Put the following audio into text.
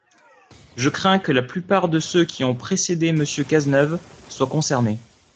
Je crains que la plupart de ceux qui ont précédé Monsieur Cazeneuve soient concernés.